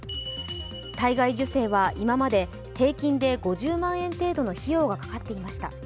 体外受精は今まで平均で５０万円程度の費用がかかっていました。